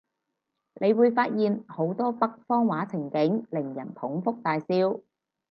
你會發現好多北方話情景，令人捧腹大笑